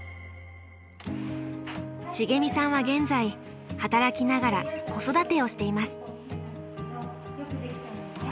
しげみさんは現在働きながら子育てをしています。